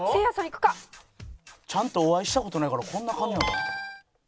ちゃんとお会いした事ないからこんな感じなのかな？